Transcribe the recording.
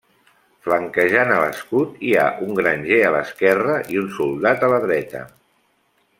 Flanquejant a l'escut hi ha un granger a l'esquerra i un soldat a la dreta.